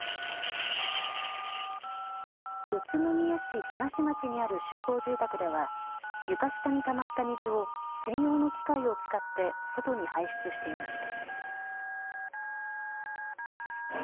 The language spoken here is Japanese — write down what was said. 宇都宮市東町にある集合住宅では床下にたまった水を専用の機械を使って外に排出していました。